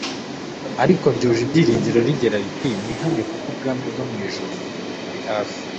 ariko ryuje ibyiringiro rigira riti : "Mwihane kuko ubwami bwo mu ijuru buri hafi."